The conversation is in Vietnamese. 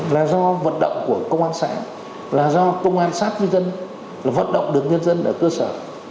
là do vận động của công an xã là do công an sát với dân là vận động được nhân dân ở cơ sở